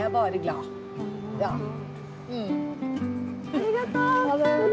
ありがとう！